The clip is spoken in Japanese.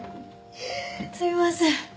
すいません。